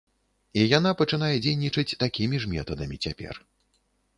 І яна пачынае дзейнічаць такімі ж метадамі цяпер.